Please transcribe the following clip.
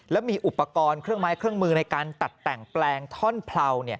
แล้วมีอุปกรณ์เครื่องไม้เครื่องมือในการตัดแต่งแปลงท่อนเผา